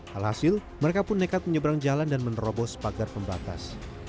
alhasil mereka pun nekat menyeberang jalan dan menerobos pagar pembatas